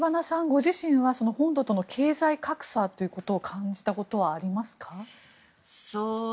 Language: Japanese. ご自身は本土との経済格差というのを感じたことはありますか？